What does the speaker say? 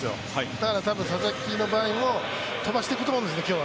だから多分佐々木の場合も飛ばしていくと思うんです。